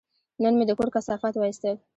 نن مې د کور کثافات وایستل.